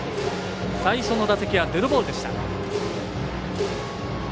最初の打席はデッドボールでした。